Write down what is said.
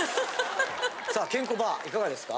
さあケンコバいかがですか？